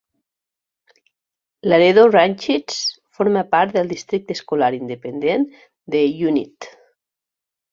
Laredo Ranchettes forma part del districte escolar independent de United.